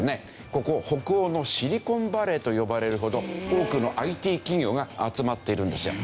ここ「北欧のシリコンバレー」と呼ばれるほど多くのＩＴ企業が集まっているんですよ。